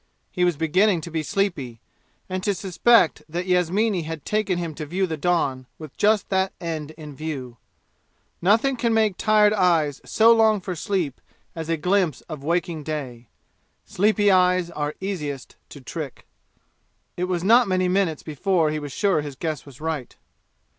He was beginning to be sleepy, and to suspect that Yasmini had taken him to view the dawn with just that end in view. Nothing can make tired eyes so long for sleep as a glimpse of waking day Sleepy eyes are easiest to trick. It was not many minutes before he was sure his guess was right.